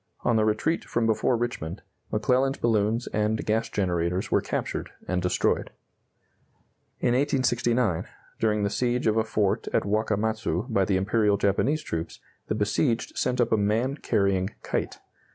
On the retreat from before Richmond, McClellan's balloons and gas generators were captured and destroyed. In 1869, during the siege of a fort at Wakamatzu by the Imperial Japanese troops, the besieged sent up a man carrying kite.